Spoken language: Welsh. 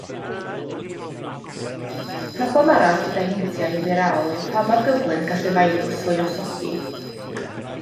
Problem arall gyda heintiau firaol yw pa mor gyflym gall y firws luosogi.